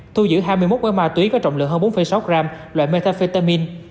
thu giữ hai mươi một gói ma túy có trọng lượng hơn bốn sáu gram loại metafetamin